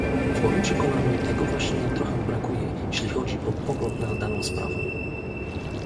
W moim przekonaniu tego właśnie trochę brakuje, jeśli chodzi o pogląd na daną sprawę